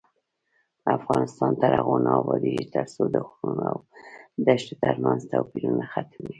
افغانستان تر هغو نه ابادیږي، ترڅو د غرونو او دښتو ترمنځ توپیرونه ختم نشي.